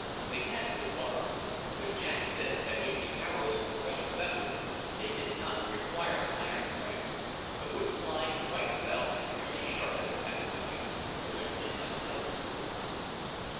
They had no barbs; but Jack said that if arrows were well feathered they did not require iron points, but would fly quite well if merely sharpened at the point, which I did not know before.